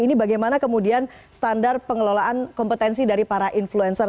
ini bagaimana kemudian standar pengelolaan kompetensi dari para influencer